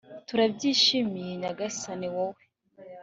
turabyishimiye nyagasani, wowe